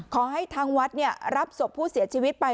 ขอให้ทางวัดรับศพผู้เสียชีวิตไป